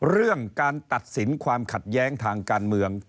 เรื่องการตัดสินความขัดแย้งทางการเมือง